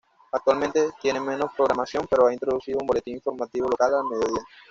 Actualmente, tiene menos programación pero ha introducido un boletín informativo local a mediodía.